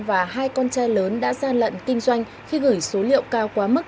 và hai con trai lớn đã gian lận kinh doanh khi gửi số liệu cao quá mức